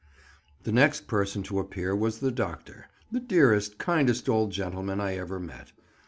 The next person to appear was the doctor—the dearest, kindest old gentleman I ever met.